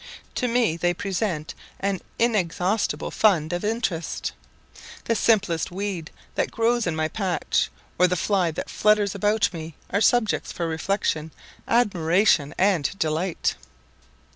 To me they present an inexhaustible fund of interest. The simplest weed that grows in my path, or the fly that flutters about me, are subjects for reflection, admiration and delight.